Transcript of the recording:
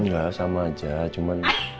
enggak sama aja cuma